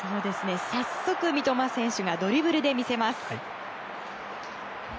早速、三笘選手がドリブルで見せます。